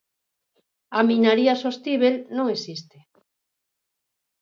A minaría sostíbel non existe.